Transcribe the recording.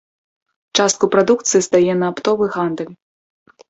Частку прадукцыі здае на аптовы гандаль.